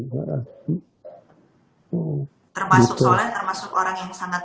termasuk soleh termasuk orang yang sangat